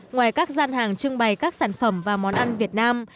ngoài các gian hàng trưng bày các sản phẩm và món ăn việt nam